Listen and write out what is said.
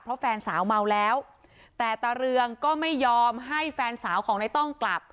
เพราะแฟนสาวเมาแล้วแต่ตาเรืองก็ไม่ยอมให้แฟนสาวของในต้องกลับ